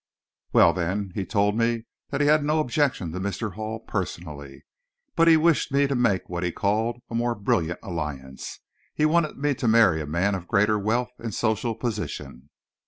"Well, then, he told me that he had no objection to Mr. Hall, personally. But he wished me to make what he called a more brilliant alliance. He wanted me to marry a man of greater wealth and social position."